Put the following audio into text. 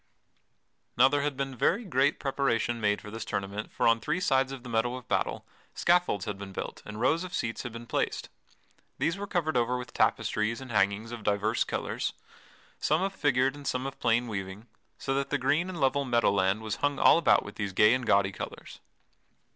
Now there had been very great preparation made for this tournament for on three sides of the meadow of battle scaffolds had been built and rows of seats had been placed. These were covered over with tapestries and hangings of divers colors some of figured and some of plain weaving so that the green and level meadow land was hung all about with these gay and gaudy colors.